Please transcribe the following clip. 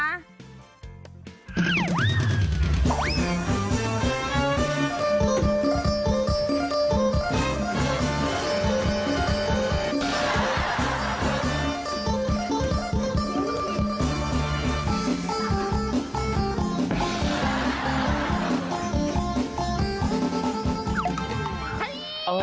ใช่